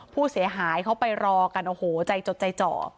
ผู้เสียหายเขาไปรอกันโอ้โหใจจดใจจ่อ